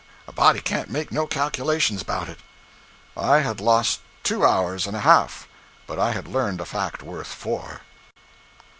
A body can't make no calculations 'bout it.' I had lost two hours and a half; but I had learned a fact worth four.